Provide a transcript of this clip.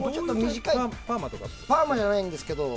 パーマじゃないんですけど。